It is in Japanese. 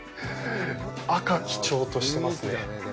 赤、基調としてますね。